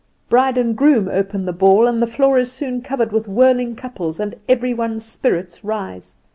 Bride and bridegroom open the ball, and the floor is soon covered with whirling couples, and every one's spirits rise.